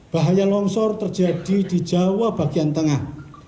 bahaya longsor terjadi di jawa bagian tengah